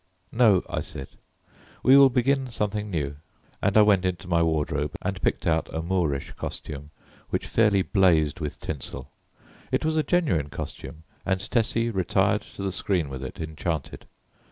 "No," I said, "we will begin something new;" and I went into my wardrobe and picked out a Moorish costume which fairly blazed with tinsel. It was a genuine costume, and Tessie retired to the screen with it enchanted.